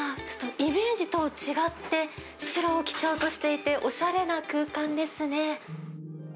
ちょっと、イメージと違って、白を基調としていて、おしゃれな空間ですね。